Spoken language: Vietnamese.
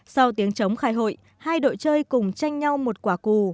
sau tiếng chống khai hội hai đội chơi cùng tranh nhau một quả cù